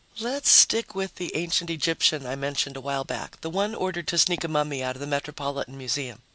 Let's stick with the ancient Egyptian I mentioned a while back, the one ordered to sneak a mummy out of the Metropolitan Museum.